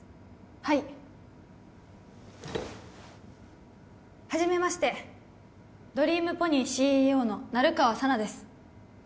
はい初めましてドリームポニーＣＥＯの成川佐奈です